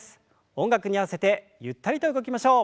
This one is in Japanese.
音楽に合わせてゆったりと動きましょう。